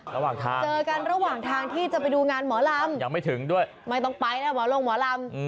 เจอกันระหว่างทางที่จะไปดูงานหมอลำไม่ต้องไปแล้วหมอลงหมอลำ